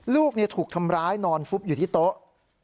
ลูกถูกทำร้ายนอนฟุบอยู่ที่โต๊ะ